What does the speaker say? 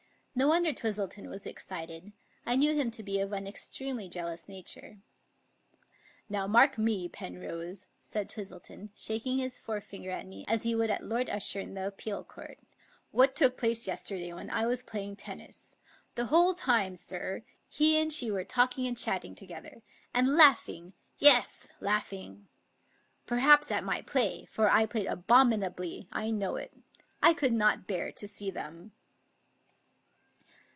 No wonder Twistleton was excited. I knew him to be of an extremely jealous nature. " Now mark me, Penrose," said Twistleton, shaking his forefinger at me as he would at Lord Usher in the Appeal Court, " what took place yesterday when I was playing tennis? The whole time, sir, he and she were talking and chatting together, and laughing — yes, laughing! Perhaps at my play, for I played abominably; I know it. I could not bear to see them."